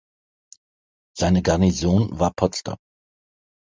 Seine Garnison war Potsdam.